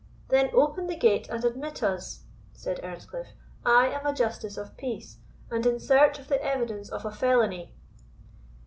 "Then open the gate and admit us," said Earnscliff; "I am a justice of peace, and in search of the evidence of a felony."